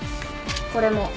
これも。